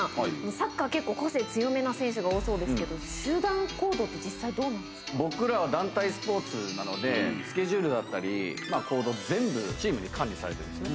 サッカー、結構個性強めな選手が多そうですけど、僕らは団体スポーツなので、スケジュールだったり、行動、全部チームに管理されてるんですね。